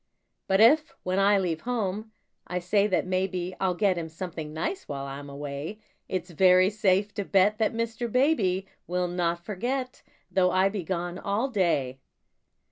But if, when I leave home, I say that maybe I'll get him something nice while I'm away, It's very safe to bet that Mr. Baby Will not forget, though I be gone all day.